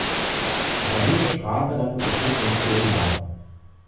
Die verhängte Strafe dafür betrug rund zehn Jahre.